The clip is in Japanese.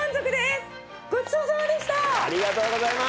ありがとうございます。